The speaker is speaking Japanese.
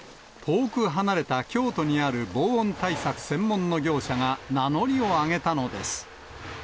遠く離れた京都にある防音対策専門の業者が名乗りを上げたのです。